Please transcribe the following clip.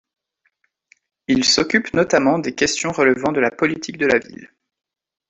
Il s'occupe notamment des questions relevant de la politique de la ville.